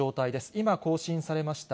今、更新されました。